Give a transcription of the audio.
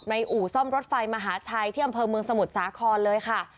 อู่ซ่อมรถไฟมหาชัยที่อำเภอเมืองสมุทรสาครเลยค่ะ